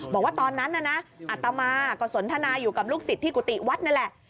บอกว่าตอนนั้นน่ะนะอัตมาก็สนทนาอยู่กับลูกศิษย์ที่กุฏิวัดนั่นแหละ